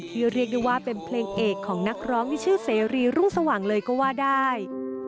เรียกได้ว่าเป็นเพลงเอกของนักร้องที่ชื่อเสรีรุ่งสว่างเลยก็ว่าได้